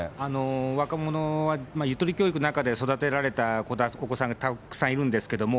若者は、ゆとり教育の中で育てられたお子さんがたくさんいるんですけど。